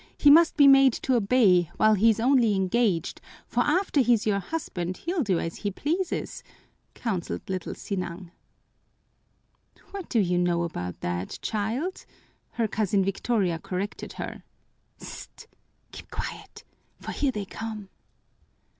He must be made to obey while he's only engaged, for after he's your husband he'll do as he pleases," counseled little Sinang. "What do you know about that, child?" her cousin Victoria corrected her. "Sst! Keep quiet, for here they come!"